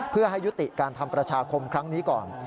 เพื่อให้ยุติการทำประชาคมครั้งนี้ก่อน